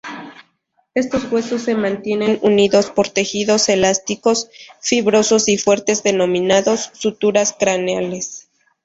Estos huesos se mantienen unidos por tejidos elásticos, fibrosos y fuertes denominados "suturas craneales".